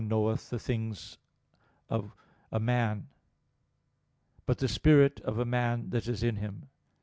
'What man knoweth the things of a man, but ...?'], but the spirit of a man that is in him."